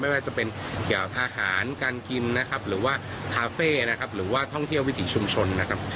ไม่ว่าจะเป็นเกี่ยวอาหารการกินนะครับหรือว่าคาเฟ่นะครับหรือว่าท่องเที่ยววิถีชุมชนนะครับ